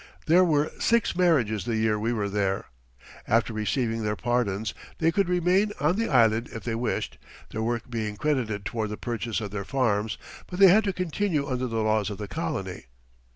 There were six marriages the year we were there. After receiving their pardons, they could remain on the island if they wished, their work being credited toward the purchase of their farms, but they had to continue under the laws of the colony.